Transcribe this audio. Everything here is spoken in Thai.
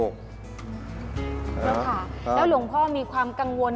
แล้วหลวงพ่อมีความกังวล